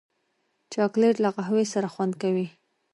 چاکلېټ له قهوې سره خوند کوي.